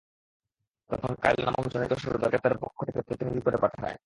তখন কায়ল নামক জনৈক সর্দারকে তাদের পক্ষ থেকে প্রতিনিধি করে পাঠায়।